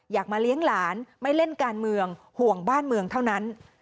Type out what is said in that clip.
อยากมาเลี้ยงหลานไม่เล่นการเมืองห่วงบ้านเมืองเท่านั้น